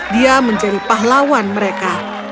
dia menjadi pahlawan mereka